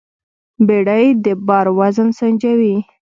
بیړۍ د بار وزن سنجوي.